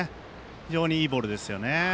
非常にいいボールですよね。